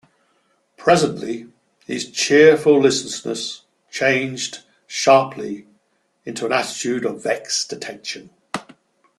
Presently his cheerful listlessness changed sharply to an attitude of vexed attention.